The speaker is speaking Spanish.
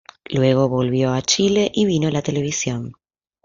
Luego volvió a Chile y vino la televisión.